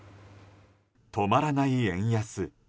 止まらない円安。